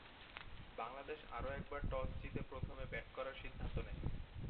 বাংলাদেশ আরও একবার টস জিতে প্রথমে ব্যাট করার সিদ্ধান্ত নেয়।